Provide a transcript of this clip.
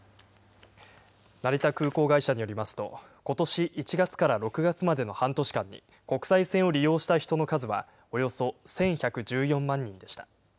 成田空港会社によりますと、ことし１月から６月までの半年間に、国際線を利用した人の数は、およそ１１１４万人でした。